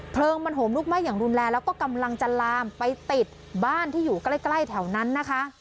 เพลิงมันโหมลุกไหม้อย่างรุนแรงแล้วก็กำลังจะลามไปติดบ้านที่อยู่ใกล้แถวนั้นนะคะ